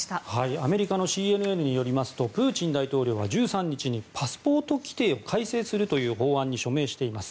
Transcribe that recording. アメリカのＣＮＮによりますとプーチン大統領は１３日にパスポート規定を改正するという法案に署名しています。